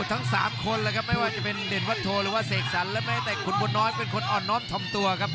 ทั้ง๓คนไม่ว่าจะเป็นเด่นวัดโทรหรือว่าเสกสรรแล้วไม่แต่คุณบนน้อยเป็นคนอ่อนน้อมทำตัวครับ